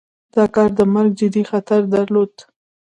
دا کار د مرګ جدي خطر درلود.